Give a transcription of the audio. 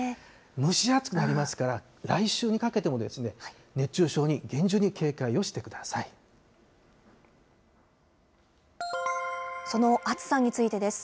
蒸し暑くなりますから、来週にかけても熱中症に厳重に警戒をしてその暑さについてです。